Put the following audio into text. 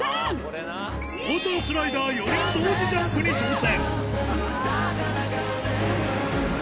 ウォータースライダー４人同時ジャンプに挑戦。